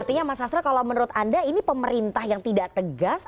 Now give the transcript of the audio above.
artinya mas astra kalau menurut anda ini pemerintah yang tidak tegas